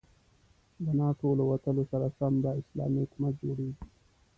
د ناتو له وتلو سره سم به اسلامي حکومت جوړيږي.